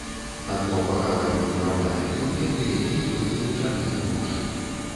Адно пахаванне ў драўлянай труне, пры якім знойдзены жалезны нож.